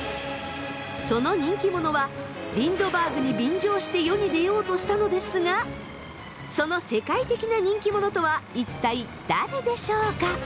その人気者はリンドバーグに便乗して世に出ようとしたのですがその世界的な人気者とは一体誰でしょうか？